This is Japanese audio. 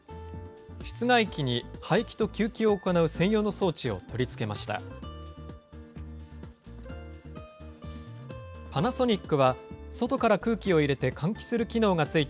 室外機に排気と給気を行う専用の装置を取り付けました。